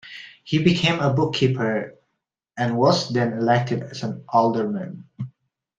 He became a bookkeeper, and was then elected as an alderman.